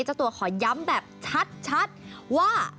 เจ้าตัวขอย้ำแบบชัดว่า